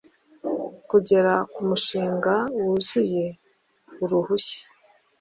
kugera kumushinga wuzuye Uruhushya